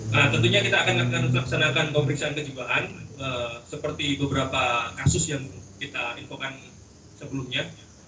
nah tentunya kita akan laksanakan pemeriksaan kejiwaan seperti beberapa kasus yang kita infokan sebelumnya